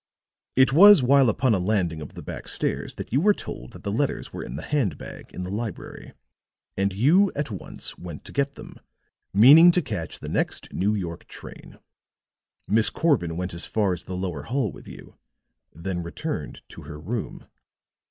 "It was while upon a landing of the back stairs that you were told that the letters were in the hand bag in the library, and you at once went to get them, meaning to catch the next New York train. Miss Corbin went as far as the lower hall with you, then returned to her room.